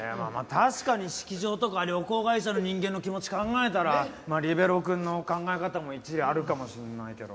確かに式場とか旅行会社の人間の気持ち考えたらリベロウくんの考え方も一理あるかもしれないけど。